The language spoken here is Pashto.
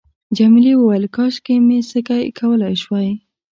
جميلې وويل:، کاشکې مې سکی کولای شوای.